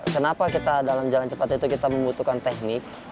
kenapa kita dalam jalan cepat itu kita membutuhkan teknik